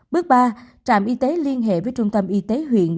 bước ba trạm y tế liên hệ với trung tâm y tế huyện